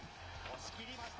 押し切りました。